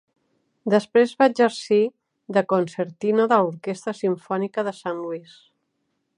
Després va exercir de concertino de l'orquestra simfònica de Saint Louis.